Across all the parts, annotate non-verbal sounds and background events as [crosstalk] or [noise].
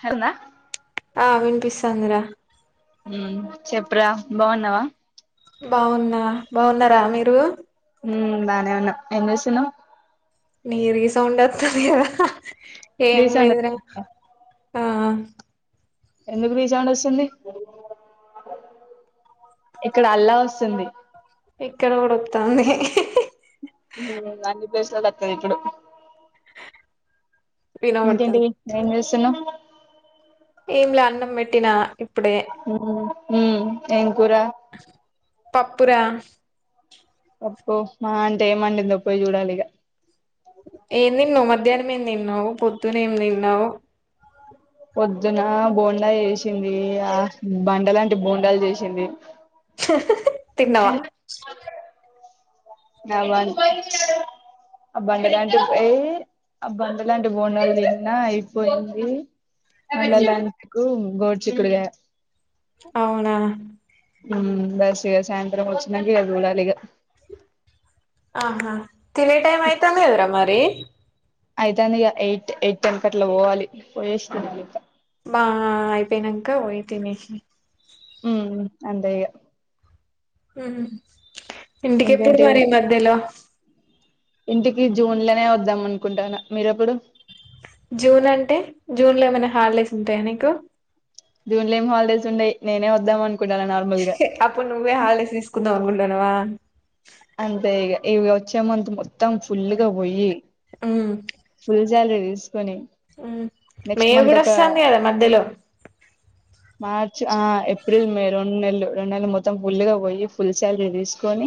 హరణ ఆ వినిపిస్తాంది రా యూ చెప్పరా బాగున్నావా బాగున్నా బాగున్నారా మీరు యూ బానే ఉన్నా ఏం చేస్తున్నావ్ నీ రీ సౌండ్ ఏ వస్తోంది కదా అహహా ఏమి రీసౌండ్ లేదు రా ఆ ఎందుకు రీ సౌండ్ వస్తుంది ఇట్లా అల్లా వస్తుంది ఇక్కడ కూడా ఒత్తాంది యూ అన్ని ప్లేసుల్లో వస్తది ఇప్పుడు వినబడతాంది ఇంకేంటిది ఏం చేస్తున్నావ్ ఏం లే అన్నం పెట్టిన యూ యూ ఏం కూర పప్పు రా పప్పు మా ఆంటీ ఏమి అంటుందో పోయి చూడాలి ఇక ఏం తిన్నావ్ మధ్యాహ్నం ఏం తిన్నావ్ పొద్దున ఏం తిన్నావ్ పొద్దున బోండా చేసింది ఆ బండలాంటి బొండాలు చేసింది అహహా తిన్నవా అవన్ ఆ బండకంటు పోయి ఆ బండలాంటి బోండాలు చేసిన అయిపోయింది ఉమ్, [unintelligible] గోరు చిక్కుడుగాయ అవునా హ్మ్ బస్ ఇగా సాయంత్రం వొచ్చినక ఇగ చూడాలిగా ఆహా తినే టైమ్ అయితే ఏమిరా మరి అయితందిగా ఎయిట్ ఎయిట్ టెన్కి అట్లా బోవాలి పోయో [unintelligible] మా అయిపోయినాక పోయి తినేసి హ్మ్ అంతే ఇగ హు ఇంటికెప్పుడు ఇంకేంటి మరీ ఈ మధ్యలో ఇంటికి జూన్ లోనే వద్దాం అనుకుంటాన మీరెప్పుడు జూన్ అంటే జూన్ లో ఏమైనా హాలిడేస్ ఉంటాయా నీకు జున్లో ఏం హాలిడేస్ ఉండయి నేనే వద్దాం అను అప్పుడు నువ్వే హాలిడేస్ తీసుకుందాం అనుకుంటనవా అంతే ఇగ ఇగ వచ్చేమంత్ మొత్తం ఫుల్లుగా పోయి ఉమ్ ఫుల్ సాలరీ తీసుకొని హు మే నెక్స్ట్ మంత్ ఒక కూడొస్టాంది కదా మధ్యలో మార్చ్ ఆ ఏప్రిల్ మే రెండు నెలలు రెండు నెలలు మొత్తం ఫుల్ గా పోయి ఫుల్ శాలరీ తీసుకొని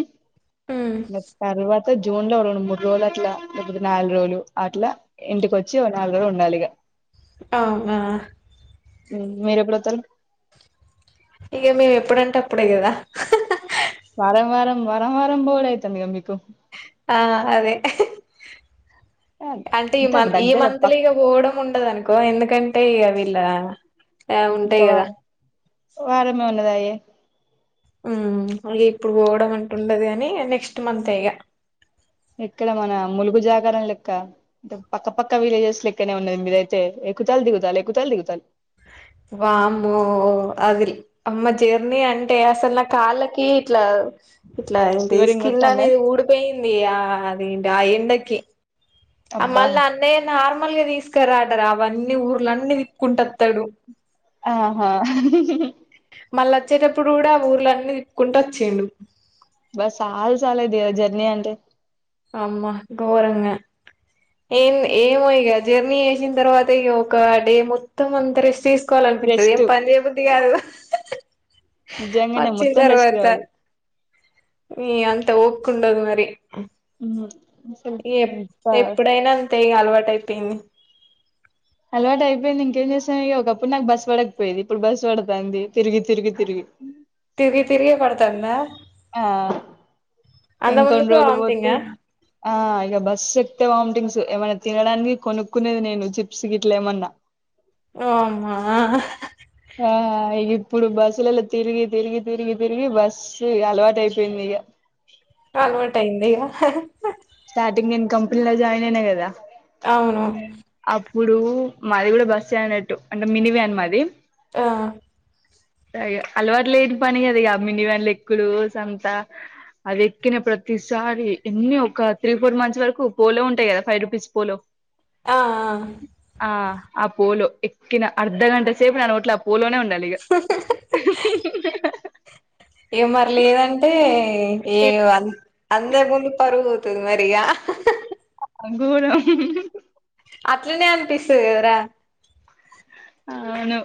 ఉమ్ మరి తర్వాత్ త జూన్ లో రెండు మూడు రోలట్లా లేకపోతే నాల్ రోలు అట్లా ఇంటికొచ్చి ఓ నాల్ రోలుండాలి ఇగ అవునా హు మీరెప్పుడొతారు ఇక మేమెప్పుడంటే అప్పుడే కదా వారం వారం వారం వారం బోవు డయితాందిగా మీకు ఆ అదే ఆ, అంటే ఈ ఇంత మంత్ ఈ దగ్గర మంత్లో పక్ ఇక పోవడం ఉండదు అనుకో ఎందుకంటే ఇక ఇలా ఇంకా వ వారమే ఉన్నదాయే ఊమ్ అగే ఇప్పుడు పోవడం అంటూ ఉండదు గానీ నెక్స్ట్ మంత్ ఆ ఇగ ఇక్కడ మన ములుగు జాగరం లెక్క అంటే పక్క పక్క విలేజెస్ లెక్కనే ఉన్నది మీదయితే ఎక్కుతాల్ దిగుతాల్ ఎక్కుతాల్ దిగుతాల్ వామ్మో అది అమ్మ జర్నీ అంటే అసలు నా కాళ్ళకి ఇట్లా ఇట్లా ఏంటి చివరి స్కిన్ ఇంగొత్తాందా అనేది ఊడిపోయింది ఆ అదేంటి ఆ ఎండకి అబ్బా అమ్మాల్ అన్నే నార్మ మామల్ గా తీసుకరాడరా అవన్నీ ఊర్లన్నీ తిక్కుంట వత్తాడు ఆహా మళ్ళ అచ్చేటప్పుడు కూడా ఆ ఊర్లన్నీ తిప్పుకుంటా వచ్చిండు బస్ చాలు చాలద్ ఇగ జర్నీ అంటే అమ్మా గోరంగా ఏందో ఏమో ఇగ జర్నీ చేసిన తర్వాత ఇగ ఒక డే మొత్తం అంతా రెస్ట్ తీస్ కోవాలనిపిత్తది రెస్ట్ ఏం పని చేయ బద్ది కాదు నిజంగానే వచ్చిన్ మొత్తం రెస్ట్ తర్వాత కావాలి మీ అంత ఓ కుండదు మరి హూ ఎప్ ఎప్పుడైనా అంతే ఇగ అలవాటు అయిపోయింది అలవాటు అయిపోయింది ఇంకేం చేస్తాం ఇగ ఒకప్పుడు నాకు బస్ పడకపోయేది ఇప్పుడు బస్సు పడతాంది తిరిగి తిరిగి తిరిగి తిరి తిరిగి పడతాందా ఇంకొన్ రోల్ బోతే ఆ ఇగ బస్ ఎక్ తే వామిటింగ్స్ ఏమైన్నా తినడానికి కొనుక్కునేది నేను చిప్స్ గిట్లే ఏమన్నా నో అమ్మా ఆ ఇప్పుడు బస్సులలో తిరిగి తిరిగి తిరిగి తిరిగి బస్సు అలవాటు అయిపోయింది ఇగా అలవటయిందిగా స్టార్టింగ్ నేను కంపెనీలో జాయిన్ అయినా కదా అవును అప్పుడు మాది కూడా బస్ అనట్టు అంటే మినివే అని మాది ఆ స అలవాటు లేని పని కద ఇ మనివన్ ఎకుడు సంత అది ఎక్కిన ప్రతిసారి ఎన్ని ఒక త్రీ ఫోర్ మంత్స్ వరకు పోలో ఉంటాయి కదా ఫైవ్ రూపీస్ పోలో ఆ ఆ ఆ పోలో ఎక్కిన అర్ధగంట సేపు నాన్న ఒట్ల ఆ పోలోనే ఉండ హు హు ఏం మరి లేదంటే ఏ అందే ముందు పరుగు గు మరియా అంగూరం ఉమ్ అట్లునే అనిపిస్తురా అవును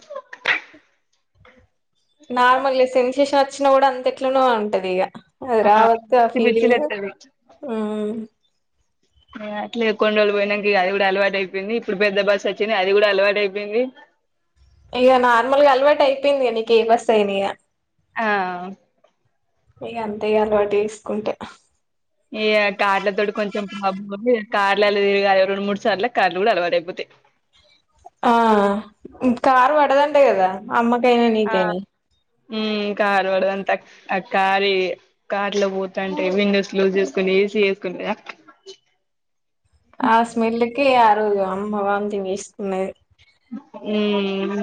నార్మల్ సెన్సేషన్ వచ్చినా కూడా అంత ఎట్లోన ఉంటది ఇక అద ఆవత్ ఆ పిచ్చి పిచ్చి ఫీలింగ్ లేత్తది హ అట్లే కొన్ని రోజులు పోయినాక అది కూడా అలవాటు అయిపోయింది ఇప్పుడు పెద్ద బస్సు వచ్చింది అది కూడా అలవాటు అయిపోయింది చెప్పింధి నీకు ఎమ్ వస్తాయినియా ఆ మీక అంతే అలవాటు వసుకుంటే కార్లులా తరగాలి రెండు మూడు సార్లు కార్లు కూడా అలవటు అయిపోతాయి ఆ కార్ పడదంటే కదా అమ్మకయినా నీకయిని ఉమ్ కార్ వా అంతా కార కార్ లో పోతుంటే విండోస్ లూజ్ చేసుకుని ఏసీ, ఏసుకుంటే ఆ స్మెల్కే అరోజు అమ్మ వోమ్టింగ్ వేసుకున్న ఉమ్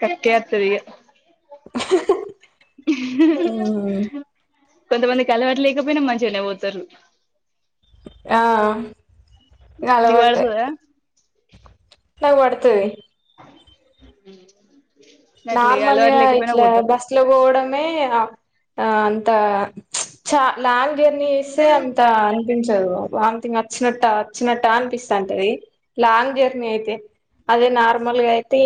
కక్కేతాది హు హు ఉమ్ కొంతమందికి అలవాటులేకపోయినా మంచిగానే పోతారు ఆ నీకు అలవటే పడుతదా [inaudible] పదుతాధి గట్ల ఇగ అలవాటు నార్మల్గా లేకపోయినా ఇట్లా పోతారు బస్ లో పోవడమే ఆ అంత చ లాంగ్ జర్నీ ఇస్తే అంత అనిపించ వాథంగ్ వచ్చినట్ వచ్చినట్ట అనిపిస్తాంటది లాంగ్ జర్నీ యితే అదే నార్మల్గా అయితే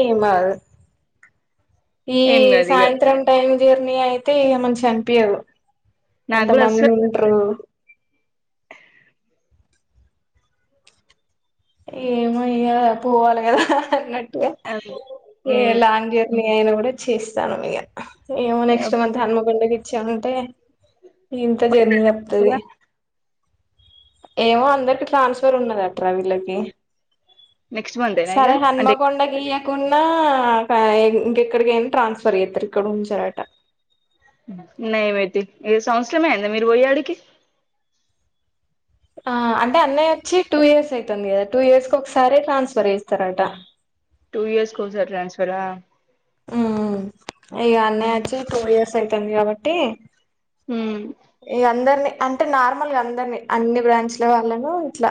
ఈ ఏం కాదు ఇగ సాయంత్రం టైం జర్నీ అయితే ఏమ చనిపయవు నాకు అంత కూడా మంది అస్సలు ఉంటారు ఏమయ్యా పోవాలి కదాన్నట్ ఇ ఏ మ్మ్ లాంగ్ జర్నీ అయినా కూడా చేస్తాను ఇక ఏ నెక్స్ట్ ఇగ మంత్ హన్మకొండకి ఇచ్చి ఉంటే ఇంత జర్నీ తపుతుంది ఏమో అందరికి ట్రాన్స్ఫర్ ఉన్నదా అ ట్రావిళ్లకి నెక్స్ట్ మంతేనా ఇగ సరే హనుమ అంటే కొండగి లేకుడా ఇంకెక్కడికియినా ట్రాన్స్ఫర్ అతారు న వేటి ఏ సంవత్సరమే అంది మీరు పోయ్యాడికి ఆ అంటే అన్నయ్యచ్చి టూ ఇయర్స్ అయితుంది కదా, టూ ఇయర్స్ కు ఒకసారి ట్రాన్స్ఫర్ చేస్తారటా. టూ ఇయర్స్ ఒకసారి ట్రాన్స్ఫరా. ఉహ్ ఇగ అన్నయ్యచ్చి టూ ఇయర్స్ అయితుంది కాబట్టి మ్మ్ ఇగా అందరిని అంటే నార్మల్గా అందరిని అన్ని బ్రాంచ్ల వాళ్ళను ఇట్లా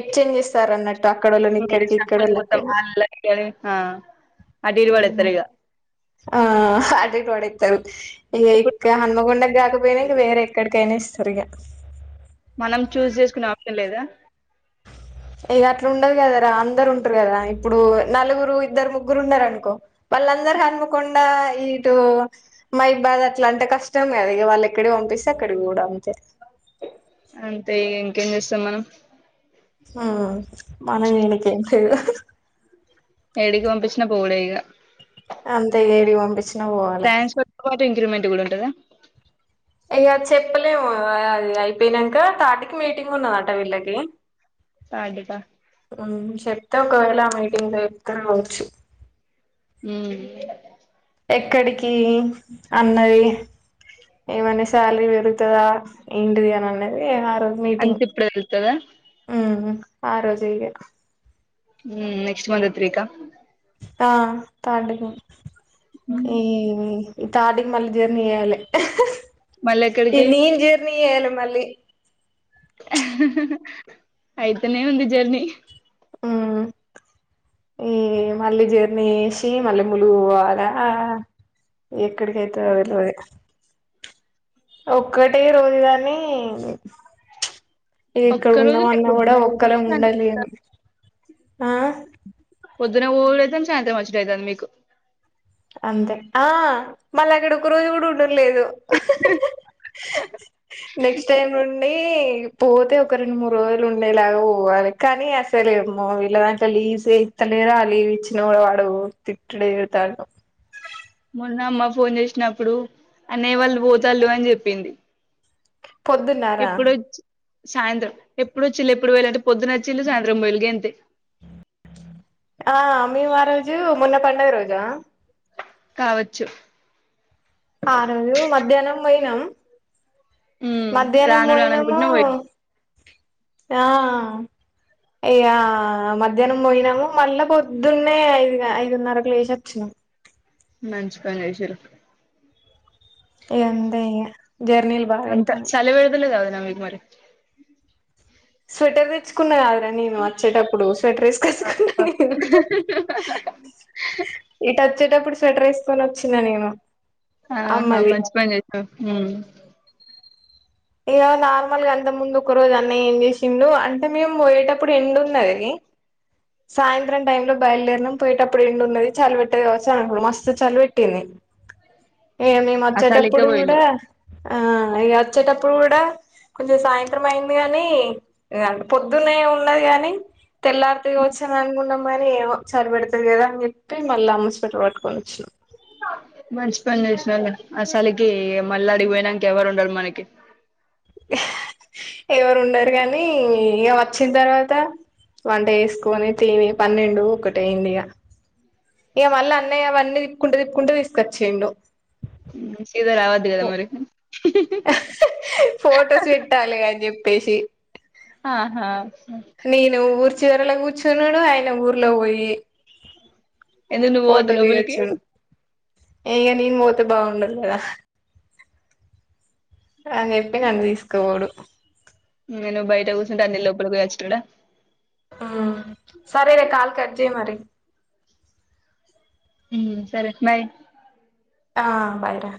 ఎక్స్చేంజ్ చేస్తాంరు అన్నట్టు అక్కడోళ్ళని ఇంగ ఇక్కడికి షఫుల్ ఇక్కడోళ్ళు అక్కడా. అటీటు వాడేతరోయ్. ఆ అటీటు పడేతర్రు. ఇగా ఇప్పుడు ఇక్క హన్మకొండకి కాకపోయినా ఇగా వేరే ఎక్కడికైనా ఎస్తరు ఇగా. మనం చూజ్ చేసుకునే ఆప్షన్ లేదా. ఇగా అట్లా ఉండదు కదరా అందరు ఉంటరు కదా ఇప్పుడు నలుగురు ఇద్దరు ముగ్గురు ఉన్నరనుకో వాళ్ళందరూ హన్మకొండా ఇటు మహబుబాద్ అట్లా అంటే కష్టం కదా ఇగా వాళ్ళు ఎక్కడ పంపి స్తే అక్కడ పోవుడు అంతే. అంతే ఇంకేం చేస్తాం మనం. హ్ మనం చేయనికి ఎంలేదు. ఏడికి వంపిచ్చినా పోవుడే ఇగా. అంతే ఏడికి పంపిచ్చినా వోవాలె. ట్రాన్స్ఫర్ [unintelligible] ఇంక్రిమెంట్ కూడా ఉంటదా. ఇగ చెప్పలేము అది అయిపోయినాంక థార్ట్కి మీటింగ్ ఉన్నదట వీళ్ళకి. థర్డ్కా హుహ్ చెప్ త్తే ఒకవేళ ఆమీటింగ్లో చెప్తరు కావచ్చు. హ్మ్ ఎక్కడికి అన్నది ఏమన్నా సాలరీ పెరుగు తదా ఏంటిది అని అన్నది ఆ రోజు అంత మీటింగ్ ఇప్పుడే తెలుత్తదా హ్ ఆ రోజే ఇగా. హ్ నెక్స్ట్ మంత్ త్రీకా. ఆ థార్డుకు ఈ థార్థ్ కు మళ్ళీ జర్నీ చేయ్యాలె. మళ్ళెక్కడికి? కి చేయాలే మళ్ళీ. అయితనే ఉంది జర్నీ. ఆ ఈ మళ్ళీ జర్నీ చేషి మళ్ళీ ములుగు పోవాలా ఆ ఎక్కడికి అయితదో తెల్వది. ఒక్కటే రోజుగాని ఒక్క రోజు లేకు [inaudible] ఒక్కలం ఉండలేము ఆ పొద్దున్న పోవుడైతాంది సాయంత్రం అచ్చుడు అయితాంది మీకు. అంతే ఆ మళ్ళా అక్కడ ఒక రోజు కూడా ఉండుడు లేదు నెక్స్ట్ టైం నుండి పోతే ఒక రెండు మూడు రోజులు ఉండేలాగా పోవాలి. కానీ అసలేమో వీళ్ళ దాంట్లో లీవ్సే ఇత్త లేరు, ఆ లీవ్ ఇచ్చిన కూడా వాడు తిట్డుడే తిడతాండు. మొన్న అమ్మ ఫోన్ చేసినప్పుడు అన్నయ్య వాళ్ళు పోతాళ్ళు అని చెప్పింది. పొద్దున్నార ఎప్పుడొచ్ సాయంత్రం ఎప్పుడు వచ్చిల్ళు ఎప్పుడు పోయిళ్ళు అంటే, పొద్దునచ్చిళ్ళు సాయంత్రం పోయిళ్లు గంతే. ఆ మేము ఆ రోజు మొన్న పండుగ రోజా కావచ్చు. ఆ రోజు మధ్యాహ్నం పోయినం ఉమ్ మధ్యాహ్నం రాను రాను పోయినము అనుకుంటనే పోయి ఆ ఇగా మధ్యాహ్నం పోయినము మళ్ళా పొద్దున్నే ఐదు ఐదున్నరకు లేశి అచ్చినం. మంచించి పని చేశ ఏ ఎంత అంత చల వెళదలేదవద నమగ మరి స్వెటర్ తెచ్చుకున్నా కాదురా నేను వచ్చేటప్పుడు స్వట్ రేస్సుకు ఆహా ఇట వచ్చేటప్పుడు స్వెట్టర్ వేకొని వచ్చిినా నేను ఆహా అమ్మది మజప్పనేచ్చ ఇక నార్మల్గా అంత ముందు ఒక రోజు అన్న ఏం చేసిండు అంటే మేము పోయేటప్పుడు ఎండు ఉంది అదిది సాయంత్రం టై లో బయలుదేరనం పోయేటప్పుడు ఏండు ఉన్నది చలి పెెట్టేది కావచ్చు అనుకో మస్తు చలి పెెట్టింది ఏ మేము ఆ చలికే వచ్చేటప్పుడు కూడా పోయిళ్ళు ఆ ఇ వచ్చేటప్పుడు అప్పుడు కూడా కొంచెం సాయంత్రం అయింది గానీ అంటే పొద్దున్న ఉన్నది కాగానీ ఎల్లతోయ వచ్చన అ కానీ ఏమో చరిపడతంది కదా అని చెప్పి మళ్ళ అమ పెట పట్టుొని వచ్చినాం మంచి పని చేసిన అసలుకి మళ్ళా అడిపోయినాక ఎవరు ఉండరుి మనకి ఎవరు ఉన్నారురు కాగానీ ఇక వచ్చిన తర్వాత వంట వేసుకొని తిని పన్నెండు ఒకట అయింది ఇక ఇక మళ్ళీ అన్నయ్య అవన్నీ తిప్పుకుంటూ తిప్పుకుంటే తీసుకొచ్చేయండు ఇది రావదు కదా మరికి ఫోటోస్ పెట్టాలి ని చెప్పేసి ఆహా మ చివరలో కూర్చున్నాడు ఆయన ఊర్లో పోయి ఎందుకు నువ్వు పోవద్దా ఫోటోకి లోపలికి వచ్చడు ఇంకా నేను పోతే బాగుండదు కదా అని చెప్పి నన్ను తీసుకోవడు నేను బయట కూర్చుంటే అన్నిీ లోపలికియచ్చుడా సరే రే కాల్ కట్జే మరి ఉ సరే బై్ ఆ బైరా